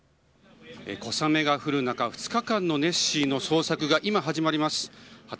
小雨が降る中、２日間のネッシーの捜索が今始まりました。